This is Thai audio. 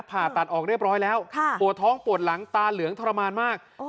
ผ่าตัดออกเรียบร้อยแล้วปวดท้องปวดหลังตาเหลืองทรมานมาก